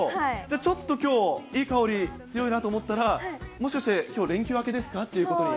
ちょっときょう、いい香り、強いなと思ったら、もしかして、きょう、連休明けですか？ということに。